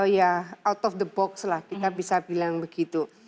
ya out of the box lah kita bisa bilang begitu